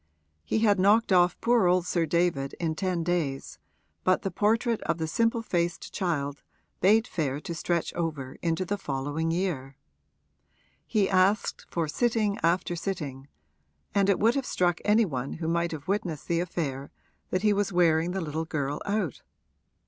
He had knocked off poor old Sir David in ten days, but the portrait of the simple faced child bade fair to stretch over into the following year. He asked for sitting after sitting, and it would have struck any one who might have witnessed the affair that he was wearing the little girl out.